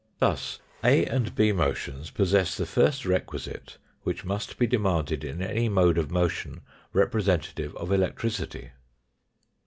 Thus A and B motions possess the first requisite which must be demanded in any mode of motion representative of electricity.